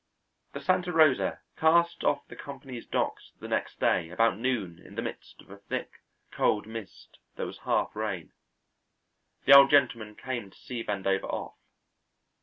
The Santa Rosa cast off the company's docks the next day about noon in the midst of a thick, cold mist that was half rain. The Old Gentleman came to see Vandover off.